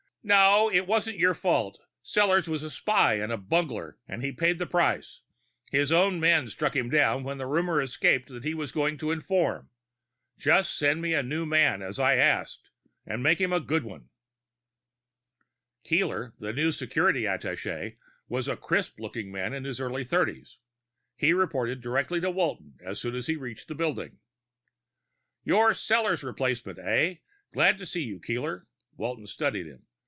"No. It wasn't your fault. Sellors was a spy and a bungler, and he paid the price. His own men struck him down when that rumor escaped that he was going to inform. Just send me a new man, as I asked and make him a good one!" Keeler, the new security attaché, was a crisp looking man in his early thirties. He reported directly to Walton as soon as he reached the building. "You're Sellors' replacement, eh? Glad to see you, Keeler." Walton studied him.